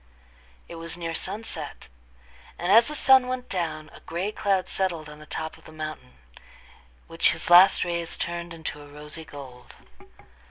It was near sunset, and as the sun went down, a gray cloud settled on the top of the mountain, which his last rays turned into a rosy gold.